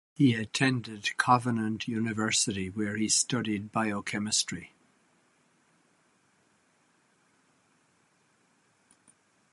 He attended Covenant University where he studied biochemistry.